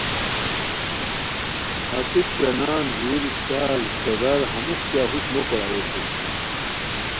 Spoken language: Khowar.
ہتیت کیہ نان، ژور، اسپڅار، رشتہ دار، ہموݰ کیاغ ہوݰ نو کوراؤاوشونی